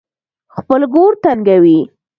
خپل ګور تنګوي.